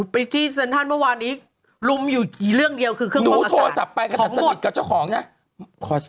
ไปที่เซ็นทรัลเมื่อวานนี้ลุมอยู่กี่เรื่องเดียวคือเครื่องฟอกอากาศ